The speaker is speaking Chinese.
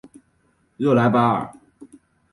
热莱巴尔。